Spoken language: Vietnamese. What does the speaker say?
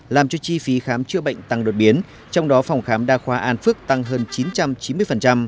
làm cho chi phí khám chữa bệnh tăng đột biến trong đó phòng khám đa khoa an phước tăng hơn chín trăm chín mươi